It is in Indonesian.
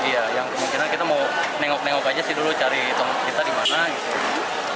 yang kemungkinan kita mau nengok nengok aja sih dulu cari kita dimana